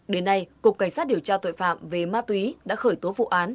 đến nay cục cảnh sát điều tra tội phạm về ma túy đã khởi tố vụ án